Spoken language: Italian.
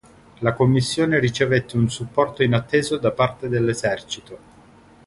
La commissione ricevette un supporto inatteso da parte dell'esercito.